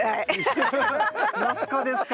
ナス科ですか？